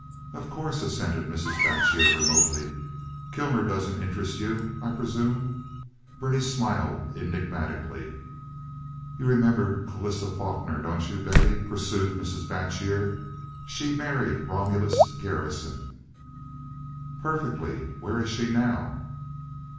"Of course," assented Mrs. Batjer, remotely. "Kilmer doesn't interest you, I presume." Berenice smiled enigmatically. "You remember Clarissa Faulkner, don't you, Bevy?" pursued Mrs. Batjer. "She married Romulus Garrison." "Perfectly. Where is she now?"